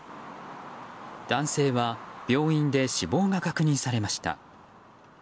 男性は、病院で死亡が確認されました。